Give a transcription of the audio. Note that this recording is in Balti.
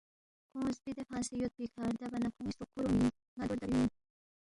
کھونگ زبِدے فنگسے یود پیکھہ ردبا نہ کھون٘ی ستروق کھُور اونگمی اِن، ن٘ا دو ردبی مین